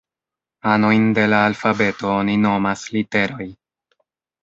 Anojn de la alfabeto oni nomas literoj.